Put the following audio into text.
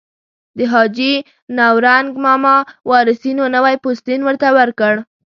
د حاجي نورنګ ماما وارثینو نوی پوستین ورته ورکړ.